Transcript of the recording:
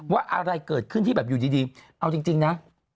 ว่าอะไรเกิดขึ้นที่แบบอยู่ดีเอาจริงนะ